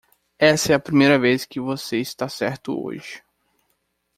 Essa é a primeira vez que você está certo hoje.